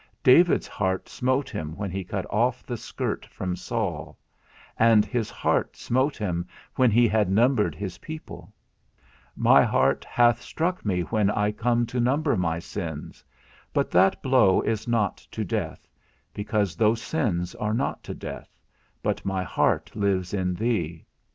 David's heart smote him when he cut off the skirt from Saul; and his heart smote him when he had numbered his people: my heart hath struck me when I come to number my sins; but that blow is not to death, because those sins are not to death, but my heart lives in thee.